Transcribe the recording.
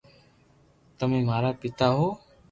تمي مارا پيتا ھون